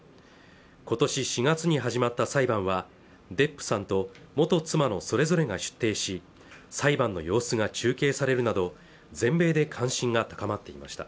今年４月に始まった裁判はデップさんと元妻のそれぞれが出廷し裁判の様子が中継されるなど全米で関心が高まっていました